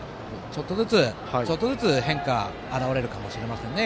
ちょっとずつ、変化あらわれるかもしれませんね。